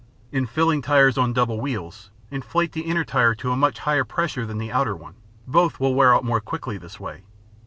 In filling tires on double wheels, inflate the inner tire to a much higher pressure than the outer one; both will wear out more quickly this way.